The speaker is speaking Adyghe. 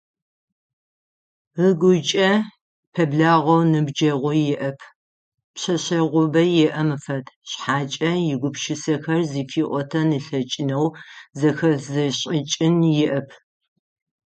Ыгукӏэ пэблагъэу ныбджэгъу иӏэп, пшъэшъэгъубэ иӏэм фэд, шъхьакӏэ игупшысэхэр зыфиӏотэн ылъэкӏынэу, зэхэзышӏыкӏын иӏэп.